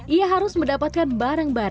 ia harus mendapatkan barang barang tanpa balasan